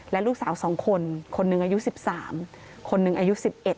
และลูกสาว๒คนคนหนึ่งอายุ๑๓คนหนึ่งอายุ๑๑